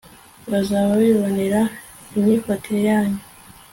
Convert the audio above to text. bazaba bibonera imyifatire yanyu